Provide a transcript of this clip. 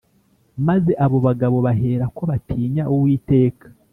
Maze abo bagabo baherako batinya Uwiteka